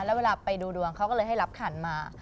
แล้วเวลาไปดูดวงเขาก็เลยให้รับขันมา